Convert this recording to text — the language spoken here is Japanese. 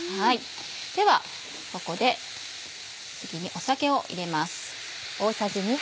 ではここで次に酒を入れます。